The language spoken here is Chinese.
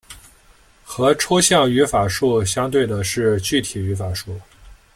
和抽象语法树相对的是具体语法树。